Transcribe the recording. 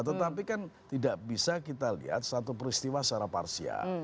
tetapi kan tidak bisa kita lihat satu peristiwa secara parsial